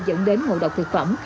dẫn đến ngộ độc thực phẩm